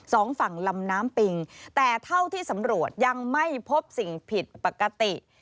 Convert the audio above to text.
สองฝั่งลำน้ำปิงแต่เท่าที่สำรวจยังไม่พบสิ่งผิดปกติ